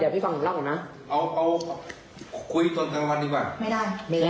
อ่าไปหาหมอก่อนเลือดแจ้งความไม่เป็นไร